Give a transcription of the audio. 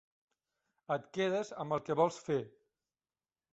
Et quedes amb el que vols fer.